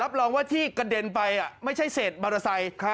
รองว่าที่กระเด็นไปไม่ใช่เศษมอเตอร์ไซค์